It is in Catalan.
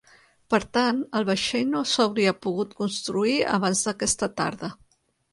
Per tant, el vaixell no s'hauria pogut construir abans d'aquesta data.